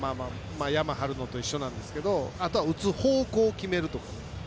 ヤマ張るのと一緒なんですけどあとは打つ方向を決めるとか。